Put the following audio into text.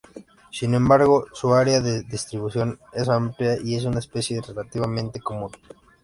Sin embargo, su área de distribución es amplia y es una especie relativamente común.